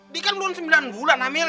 dia kan belum sembilan bulan hamil ya